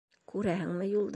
Күрәһеңме юлды?